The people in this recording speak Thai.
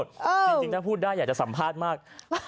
จริงถ้าพูดได้อยากจะสัมภาษณ์มาก